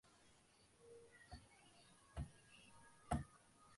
இந்தச் சிலை உருவங்களைப் போற்றிப் பாதுகாக்கவாவது தமிழர்கள் தெரிந்துகொள்ள வேண்டாமா?